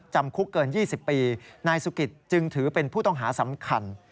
จำคุกเกิน๒๐ปีนายสุกิตจึงถือเป็นผู้ต้องหาสำคัญ